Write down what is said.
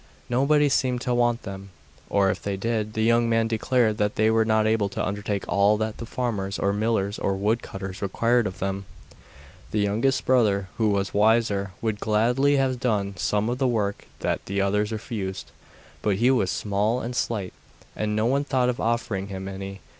Nobody seemed to want them, or, if they did, the young men declared that they were not able to undertake all that the farmers or millers or woodcutters required of them. The youngest brother, who was wiser, would gladly have done some of the work that the others refused, but he was small and slight, and no one thought of offering him any.